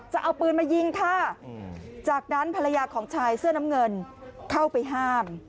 จะเอาปืนมายิงค่ะจากนั้นภรรยาของชายเสื้อน้ำเงินเข้าไปห้าม